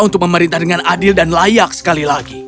untuk pemerintah dengan adil dan layak sekali lagi